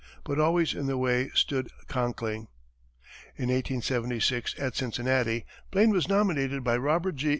But always in the way stood Conkling. In 1876, at Cincinnati, Blaine was nominated by Robert G.